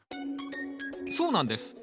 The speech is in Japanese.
そうなんです。